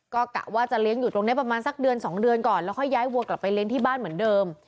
ก็กะว่าจะเลี้ยงอยู่ตรงนี้ประมาณสักเดือน๒เดือนก่อนแล้วค่อยย้ายวัวกลับไปเลี้ยงที่บ้านเหมือนเดิม